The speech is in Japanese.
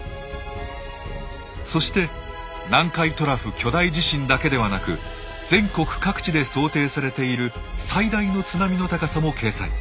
そして南海トラフ巨大地震だけではなく全国各地で想定されている最大の津波の高さも掲載。